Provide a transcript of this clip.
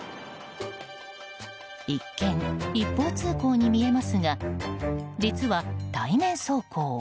一見、一方通行に見えますが実は対面走行。